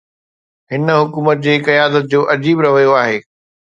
هن حڪومت جي قيادت جو عجيب رويو آهي.